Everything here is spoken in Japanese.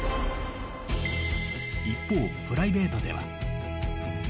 一方、プライベートでは。